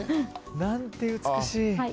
なんて美しい。